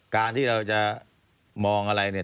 การที่เราจะมองอะไรเนี่ย